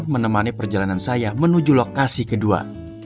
menemani perjalanan saya menuju lokasi kedua